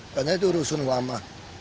karena itu rusun lama